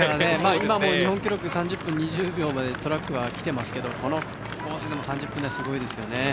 今も日本記録３０分２０秒までトラックは来てますけどこのコースでの３０分台はすごいですね。